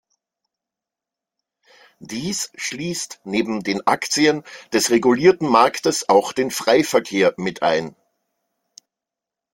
Dies schließt neben den Aktien des regulierten Marktes auch den Freiverkehr mit ein.